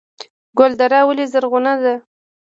ګلدره ولې زرغونه ده؟